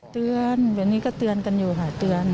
เตือนแบบนี้ก็เตือนกันอยู่ค่ะเตือน